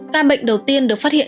ca bệnh đầu tiên được phát hiện